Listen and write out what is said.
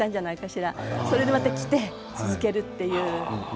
それでまた着て続けるっていう。